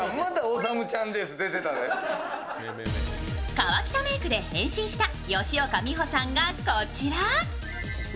河北メークで変身した吉岡美穂さんがこちら。